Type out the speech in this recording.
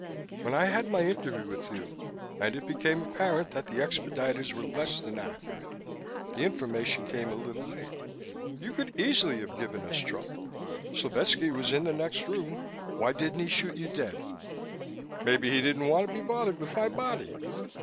When I had my interview with you, and it became apparent that the expediters were less than accurate, the information came a little late. You could easily have given us trouble Slovetski was in the next room. Why didn't he shoot you dead?" "Maybe he didn't want to be bothered with my body."